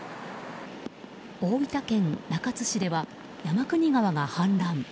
大分県中津市では山国川が氾濫。